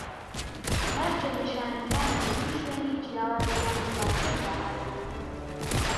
مەرجە نیشانەکان لە دوو شوێنی جیاواز یان زیاتر دا هەبن